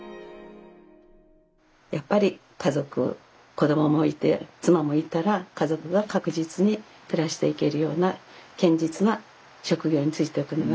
やっぱり家族子供もいて妻もいたら家族が確実に暮らしていけるような堅実な職業に就いておくのがいい。